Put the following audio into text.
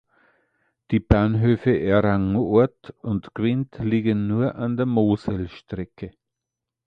Die Bahnhöfe Ehrang Ort und Quint liegen nur an der Moselstrecke.